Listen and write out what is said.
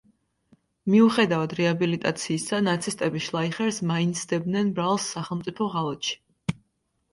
მიუხედავად რეაბილიტაციისა, ნაცისტები შლაიხერს მაინც სდებდნენ ბრალს სახელმწიფო ღალატში.